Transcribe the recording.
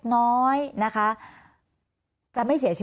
มีความรู้สึกว่าเสียใจ